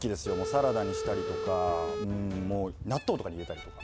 サラダにしたりとか納豆とかに入れたりとか。